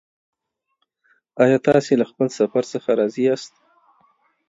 ایا تاسې له خپل سفر څخه راضي یاست؟